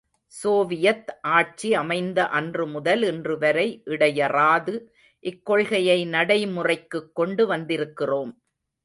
Soviet ஆட்சி அமைந்த அன்று முதல் இன்றுவரை இடையறாது இக்கொள்கையை நடைமுறைக்குக் கொண்டு வந்திருக்கிறோம்.